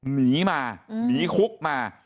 หนีมาหนีคุกมา